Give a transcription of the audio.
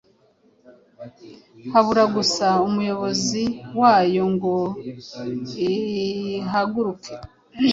habura gusa umuyobozi wayo ngo ihaguruke.